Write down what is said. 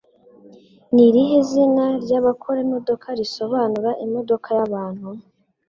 Ni irihe zina ry'abakora imodoka risobanura Imodoka y'abantu?